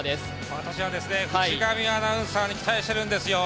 私は渕上アナウンサーに期待しているんですよ。